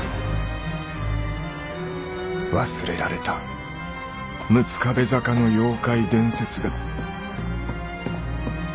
忘れられた六壁坂の妖怪伝説が。